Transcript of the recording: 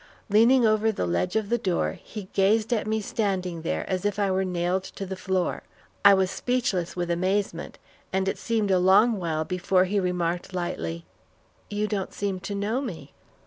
Leaning over the edge of the door, he gazed at me standing there as if I were nailed to the floor. I was speechless with amazement, and it seemed a long while before he remarked lightly, "You don't seem to know me."